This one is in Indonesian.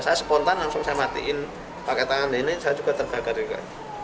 saya spontan langsung saya matiin pakai tangan ini saya juga terbakar juga